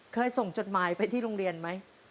เคยส่งจดหมายไปที่โรงเรียนไหม